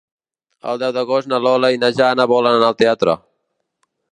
El deu d'agost na Lola i na Jana volen anar al teatre.